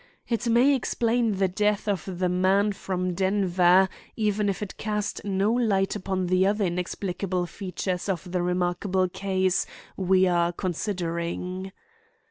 It may explain the death of the man from Denver, even if it cast no light upon the other inexplicable features of the remarkable case we are considering."